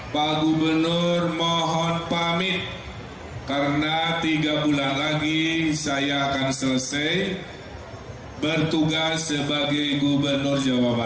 pak gubernur mohon pamit karena tiga bulan lagi saya akan selesai bertugas sebagai gubernur jawa barat